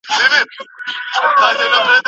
په لوړ غږ سندري اورېدل څه زیان لري؟